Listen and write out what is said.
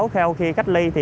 theo khi cách ly